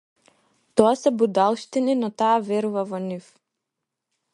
Тоа се будалштини, но таа верува во нив.